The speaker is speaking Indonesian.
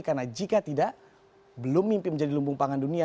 karena jika tidak belum mimpi menjadi lumbung pangan dunia